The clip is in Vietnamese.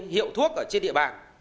hiệu thuốc ở trên địa bàn